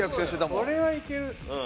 これはいける。